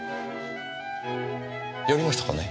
やりましたかね？